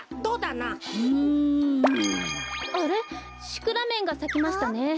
シクラメンがさきましたね。